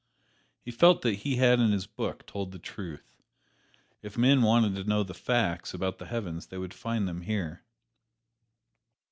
He felt that he had in this book told the truth. If men wanted to know the facts about the heavens they would find them here.